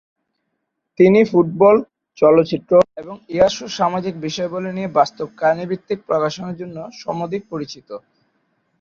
তিনি ফুটবল, চলচ্চিত্র এবং ইতিহাস ও সামাজিক বিষয়াবলি নিয়ে বাস্তব-কাহিনীভিত্তিক প্রকাশনার জন্য সমধিক পরিচিত।